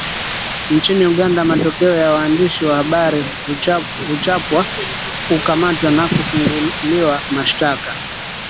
Nchini Uganda matokeo ya waandishi wa Habari kuchapwa kukamatwa na kufunguliwa mashtaka